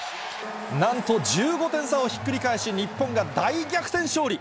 なんと１５点差をひっくり返し、日本が大逆転勝利。